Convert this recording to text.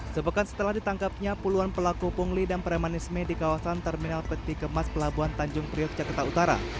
sepekan setelah ditangkapnya puluhan pelaku pungli dan premanisme di kawasan terminal peti kemas pelabuhan tanjung priok jakarta utara